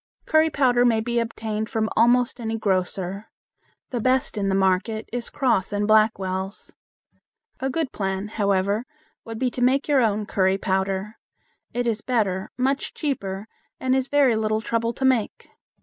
Curry powder may be obtained from almost any grocer. The best in the market is Cross & Blackwell's. A good plan, however, would be to make your own curry powder. It is better, much cheaper, and is very little trouble to make.